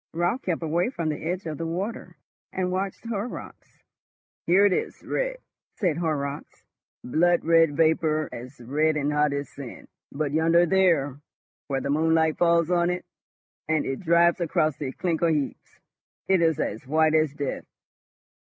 Raut kept away from the edge of the water, and watched Horrocks. "Here it is red," said Horrocks, "blood red vapour as red and hot as sin; but yonder there, where the moonlight falls on it, and it drives across the clinker heaps, it is as white as death."